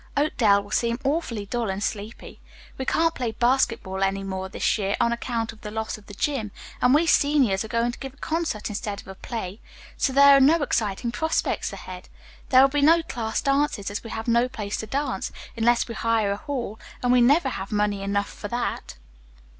Oakdale will seem awfully dull and sleepy. We can't play basketball any more this year on account of the loss of the gym., and we seniors are going to give a concert instead of a play. So there are no exciting prospects ahead. There will be no class dances as we have no place to dance, unless we hire a hall, and we never have money enough for that."